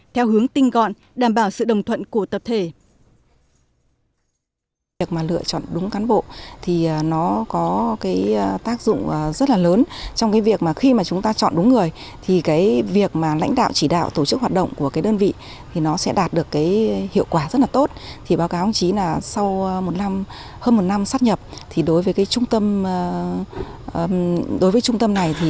theo hướng tinh còn đảm bảo sự đồng thuận của tập thể